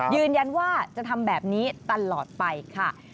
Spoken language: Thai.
ยืนยันว่าจะทำแบบนี้ตลอดไปค่ะ